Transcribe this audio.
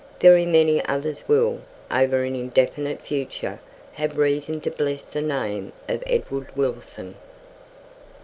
Very many others will, over an indefinite future, have reason to bless the name of Edward Wilson.